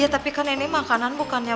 tapi kan ini makanan bukannya